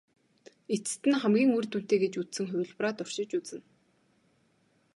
Эцэст нь хамгийн үр дүнтэй гэж үзсэн хувилбараа туршиж үзнэ.